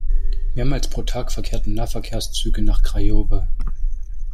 Mehrmals pro Tag verkehren Nahverkehrszüge nach Craiova.